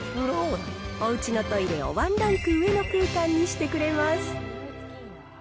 おうちのトイレをワンランク上の空間にしてくれます。